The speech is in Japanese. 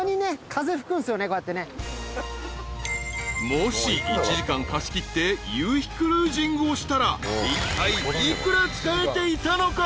［もし１時間貸し切って夕日クルージングをしたらいったい幾ら使えていたのか？］